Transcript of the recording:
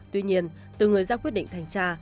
tuy nhiên từ người ra quyết định thanh tra